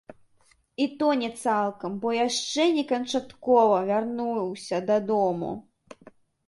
І то не цалкам, бо я яшчэ не канчаткова вярнуўся дадому.